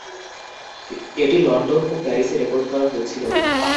এটি লন্ডন ও প্যারিসে রেকর্ড করা হয়েছিল।